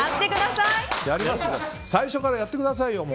最初からやってくださいよ。